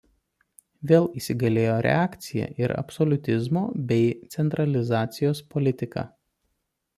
Vėl įsigalėjo reakcija ir absoliutizmo bei centralizacijos politika.